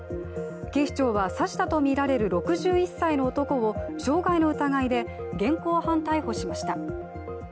警視庁は、刺したとみられる６１歳の男を傷害の疑いで現行犯逮捕しました。